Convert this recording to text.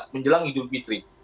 menjelang idul fitri